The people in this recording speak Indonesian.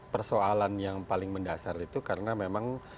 persoalan yang paling mendasar itu karena memang